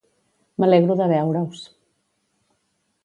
M'alegro de veure-us.